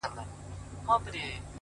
سترگي ور واوښتلې!!